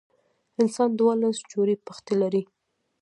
انسان دولس جوړي پښتۍ لري.